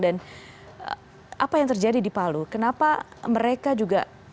apa yang terjadi di palu kenapa mereka juga